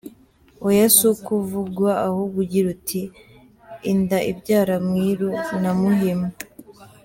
Oya, si uko uvugwa ahubwo ugira uti “Inda ibyara mwiru na muhima”.